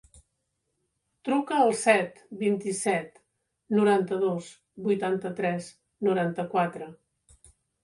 Truca al set, vint-i-set, noranta-dos, vuitanta-tres, noranta-quatre.